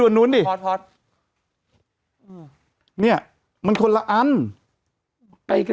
แต่หนูจะเอากับน้องเขามาแต่ว่า